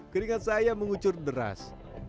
keringat saya mengucur beras